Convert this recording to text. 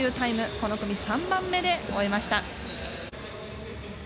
この組３番目で終えました。